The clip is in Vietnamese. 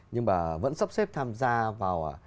nhưng bà vẫn sắp xếp tham gia vào